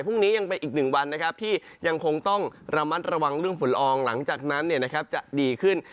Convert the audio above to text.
พรุ่งนี้ยังเป็นอีก๑วันที่ยังคงต้องระมัดระวังเรื่องฝุ่นละอองหลังจากนั้นจะดีขึ้น